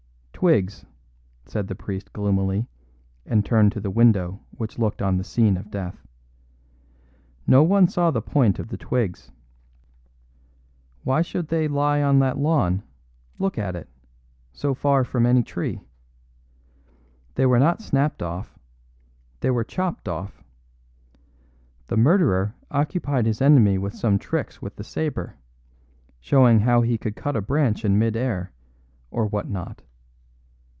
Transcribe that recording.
"Twigs," said the priest gloomily, and turned to the window which looked on the scene of death. "No one saw the point of the twigs. Why should they lie on that lawn (look at it) so far from any tree? They were not snapped off; they were chopped off. The murderer occupied his enemy with some tricks with the sabre, showing how he could cut a branch in mid air, or what not.